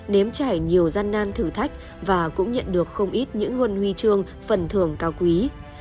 nếm trải nhiều gian nan thử thách và cũng nhận được không ít những huân huy trương phần thưởng cao quý